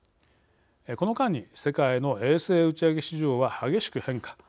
この間に世界の衛星打ち上げ市場は激しく変化。